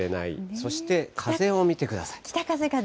そして風を見てください。